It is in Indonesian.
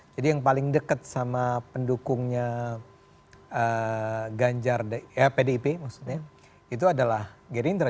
jadi yang paling dekat sama pendukungnya pdip itu adalah gerindra